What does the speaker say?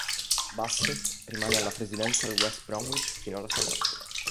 Bassett rimane alla presidenza del West Bromwich fino alla sua morte.